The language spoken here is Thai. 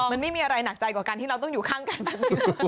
มันไม่มีอะไรหนักใจกว่าการที่เราต้องอยู่ข้างกันแบบนี้